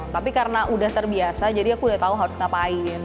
tapi karena udah terbiasa jadi aku udah tau harus ngapain